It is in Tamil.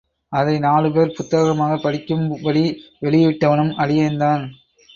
அதை நாலுபேர் புத்தகமாகப் படிக்கும்படி வெளியிட்டவனும் அடியேன்தான்!